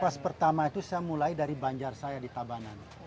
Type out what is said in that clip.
pas pertama itu saya mulai dari banjar saya di tabanan